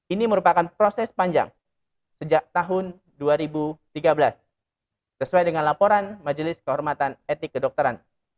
ini merupakan proses panjang sejak tahun dua ribu tiga belas sesuai dengan laporan majelis kehormatan etik kedokteran